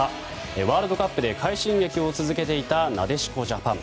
ワールドカップで快進撃を続けていた、なでしこジャパン。